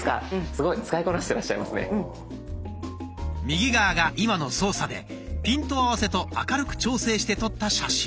右側が今の操作でピント合わせと明るく調整して撮った写真。